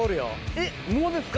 えっもうですか？